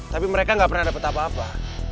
tapi mereka gak pernah dapat apa apa